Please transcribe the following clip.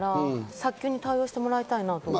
早急に対応してもらいたいと思います。